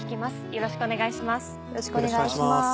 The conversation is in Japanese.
よろしくお願いします。